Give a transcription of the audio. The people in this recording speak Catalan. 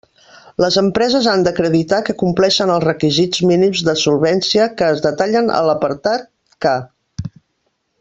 Les empreses han d'acreditar que compleixen els requisits mínims de solvència que es detallen a l'apartat K.